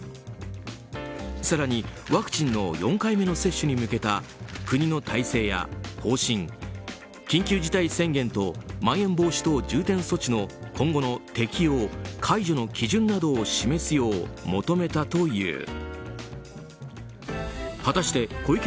更にワクチンの４回目の接種に向けた国の体制や方針、緊急事態宣言とまん延防止等重点措置の今後の適用・解除の基準などを示すよう求めたという。